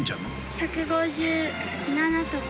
１５７とか。